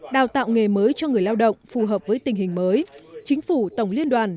đào tạo nghề mới cho người lao động phù hợp với tình hình mới chính phủ tổng liên đoàn